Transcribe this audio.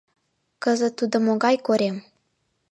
Кызыт тудо могай корем?